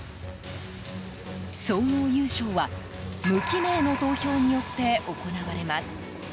総合優勝は無記名の投票によって行われます。